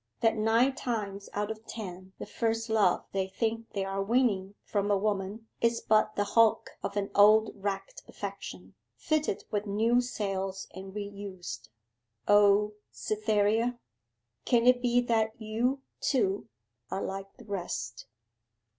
that nine times out of ten the "first love" they think they are winning from a woman is but the hulk of an old wrecked affection, fitted with new sails and re used. O Cytherea, can it be that you, too, are like the rest?